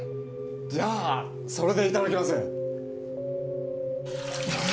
じゃあそれでいただきます。